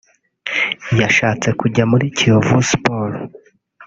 yashatse kujya muri Kiyovu Sport